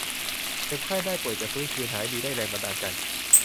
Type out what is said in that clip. เจ็บไข้ได้ป่วยจะฟื้นคืนหายดี ได้แรงบันดาลใจ